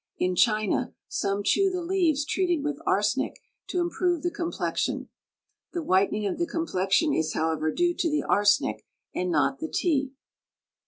In China some chew the leaves treated with arsenic to improve the complexion. The whitening of the complexion is, however, due to the arsenic and not the tea.